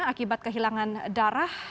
akibat kehilangan darah